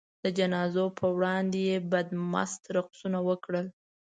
د جنازو په وړاندې یې بدمست رقصونه وکړل.